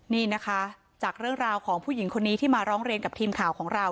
นี่นะคะจากเรื่องราวของผู้หญิงคนนี้ที่มาร้องเรียนกับทีมข่าวของเรา